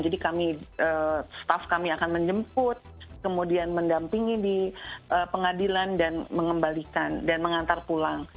jadi kami staf kami akan menjemput kemudian mendampingi di pengadilan dan mengembalikan dan mengantar pulang